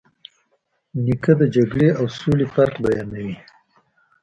نیکه د جګړې او سولې فرق بیانوي.